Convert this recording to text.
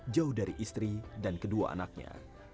jauh dari istri dan kedua anaknya